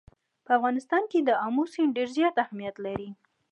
په افغانستان کې آمو سیند ډېر زیات اهمیت لري.